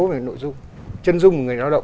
nội dung chân dung người lao động